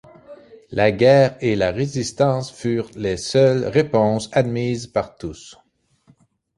La guerre et la résistance furent les seules réponses admises par tous.